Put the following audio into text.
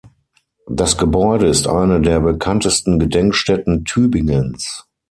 Das Gebäude ist eine der bekanntesten Gedenkstätten Tübingens.